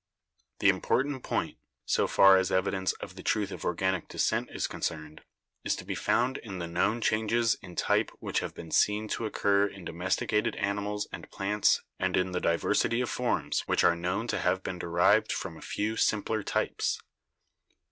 The important point so far as evidence of the truth of organic descent is concerned is to be found in the known changes in type which have been seen to occur in domesti cated animals and plants and in the diversity of forms which are known to have been derived from a few simpler types.